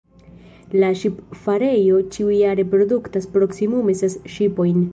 La ŝipfarejo ĉiujare produktas proksimume ses ŝipojn.